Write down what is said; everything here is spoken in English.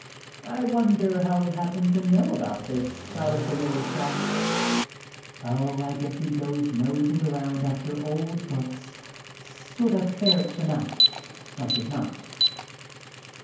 I wonder how he happened to know about this out of the way shop?" "Oh, I guess he goes nosing around after old books, sort of ferrets them out, like as not.